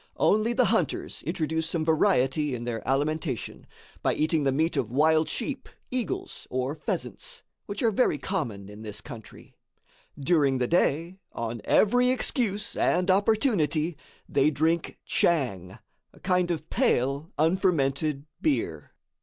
Only the hunters introduce some variety in their alimentation, by eating the meat of wild sheep, eagles or pheasants, which are very common in this country. During the day, on every excuse and opportunity, they drink "tchang," a kind of pale, unfermented beer.